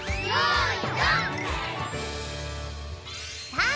さあ